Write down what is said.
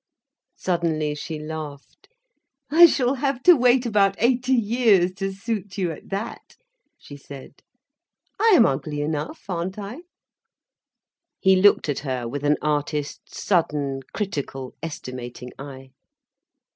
Suddenly she laughed. "I shall have to wait about eighty years to suit you, at that!" she said. "I am ugly enough, aren't I?" He looked at her with an artist's sudden, critical, estimating eye.